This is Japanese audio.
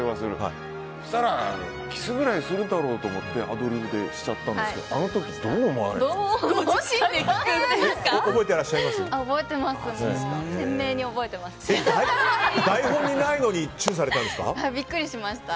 そしたらキスくらいするだろうと思ってアドリブでしちゃったんですけどあの時、どう思われました？